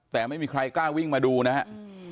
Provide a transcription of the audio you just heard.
แต่ไม่มีใครกล้าวิ่งมาดูนะครับ